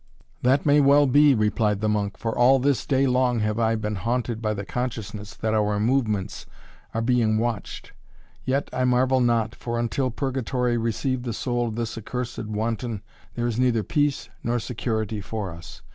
"That may well be," replied the monk. "For all this day long have I been haunted by the consciousness that our movements are being watched. Yet, I marvel not, for until Purgatory receive the soul of this accursed wanton, there is neither peace nor security for us.